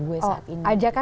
di berikan wadahnya